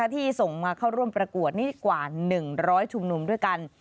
ที่ส่งมาเข้าร่วมประกวดนี่กว่า๑๐๐ชุมนุมด้วยกัน